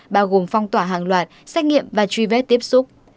bao gồm phong tỏa hàng loạt xét nghiệm và truy vết tiếp xúc